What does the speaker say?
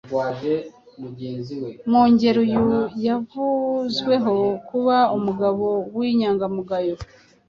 Mwungeri uyu yavuzweho kuba umugabo w’inyangamugayo,